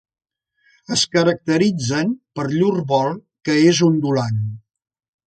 Es caracteritzen per llur vol que és ondulant.